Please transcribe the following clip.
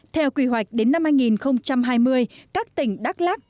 theo quy hoạch đến năm hai nghìn hai mươi các tỉnh đắk lắc